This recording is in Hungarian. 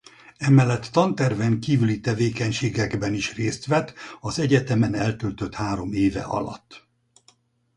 Emellett tanterven kívüli tevékenységekben is részt vett az egyetemen eltöltött három éve alatt.